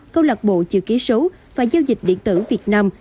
câu lạc bộ chữ ký số và giao dịch điện tử việt nam